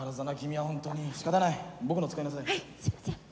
はいすいません。